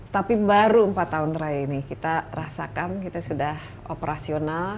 tapi baru empat tahun terakhir ini kita rasakan kita sudah operasional